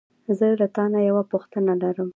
زه له تا نه یوه پوښتنه لرم.